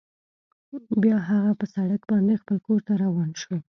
بیا هغه په سړک باندې خپل کور ته روان شو